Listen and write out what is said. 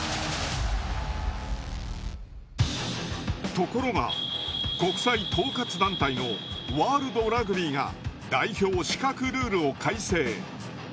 ところが国際統括団体のワールドラグビーが代表資格ルールを改正。